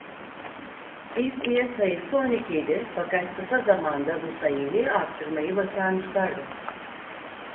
İlk üye sayısı on ikiydi fakat kısa zamanda bu sayıyı arttırmayı başarmışlardı.